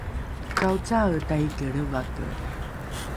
kaocae taiki lrevake